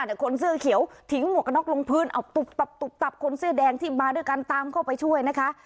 แต่คนเสื้อเขียวทิ้งหมวกกระน็อกลงพื้นเอาตุ๊บตับตุบตับคนเสื้อแดงที่มาด้วยกันตามเข้าไปช่วยนะคะ